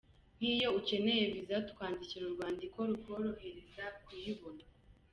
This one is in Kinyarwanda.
Nk’iyo ukeneye visa tukwandikira urwandiko rukorohereza kuyiboba.